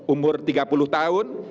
umur tiga puluh tahun